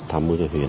thăm mưu cho huyện